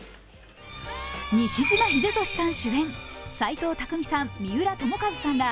西島秀俊さん主演、斎藤工さん、三浦友和さんら